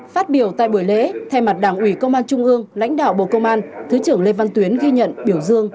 phát biểu tại buổi lễ thay mặt đảng ủy công an trung ương lãnh đạo bộ công an thứ trưởng lê văn tuyến ghi nhận biểu dương